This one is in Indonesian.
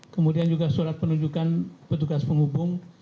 kemudian juga surat penunjukan petugas penghubung